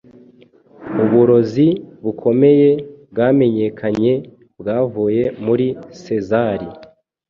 Uburozi bukomeye bwamenyekanye Bwavuye muri Sezari